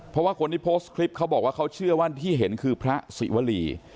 เพราะว่าคนที่โพสต์คลิปเขาบอกว่าเขาเชื่อว่าที่เห็นคือพระศิวรี